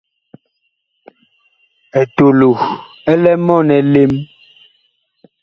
Etolo ɛ lɛ mɔɔn elem.